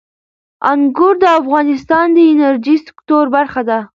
انګور د افغانستان د انرژۍ سکتور برخه ده.